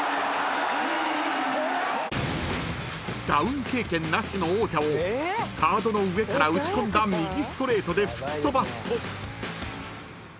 ［ダウン経験なしの王者をガードの上から打ち込んだ右ストレートで吹き飛ばすと］